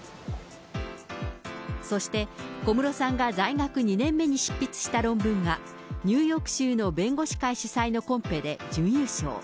そして小室さんが在学２年目に執筆した論文が、ニューヨーク州の弁護士会主催のコンペで準優勝。